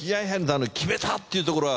あの「決めた」っていうところが。